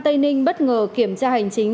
tây ninh bất ngờ kiểm tra hành chính